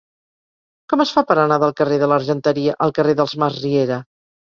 Com es fa per anar del carrer de l'Argenteria al carrer dels Masriera?